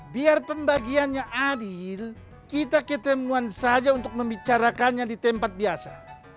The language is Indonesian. biar pembagiannya adil kita ketemuan saja untuk membicarakannya di tempat biasa